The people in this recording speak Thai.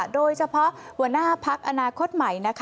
โดยเฉพาะหัวหน้าพักอนาคตใหม่